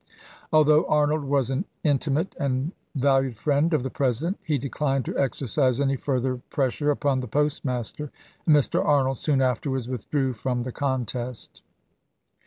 Although Arnold was an intimate and valued friend of the President, he declined to exercise any further pres sure upon the postmaster, and Mr. Arnold soon afterwards withdrew from the contest.